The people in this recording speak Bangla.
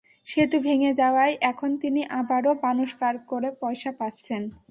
সেতু ভেঙে যাওয়ায় এখন তিনি আবারও মানুষ পার করে পয়সা পাচ্ছেন।